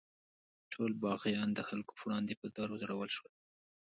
ټول باغیان د خلکو په وړاندې په دار وځړول شول.